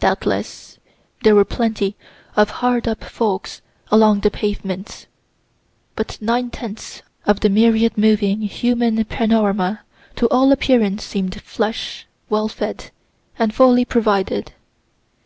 Doubtless, there were plenty of hard up folks along the pavements, but nine tenths of the myriad moving human panorama to all appearance seem'd flush, well fed, and fully provided.